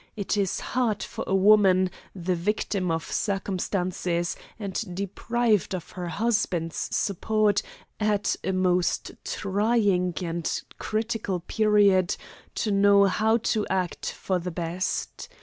It is hard for a woman, the victim of circumstances, and deprived of her husband's support at a most trying and critical period, to know how to act for the best.